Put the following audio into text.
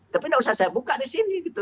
tapi nggak usah saya buka di sini gitu